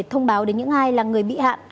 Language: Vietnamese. thông báo đến những ai là người bị hạn